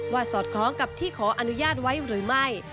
สอดคล้องกับที่ขออนุญาตไว้หรือไม่